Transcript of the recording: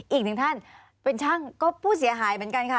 อีกหนึ่งท่านเป็นช่างก็ผู้เสียหายเหมือนกันค่ะ